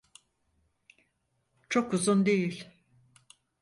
Çok uzun değil.